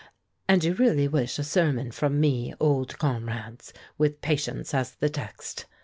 "And you really wish a sermon from me, old comrades, with patience as the text?"